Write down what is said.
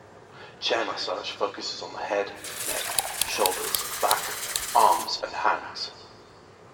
Chair massage focuses on the head, neck, shoulders, back, arms and hands.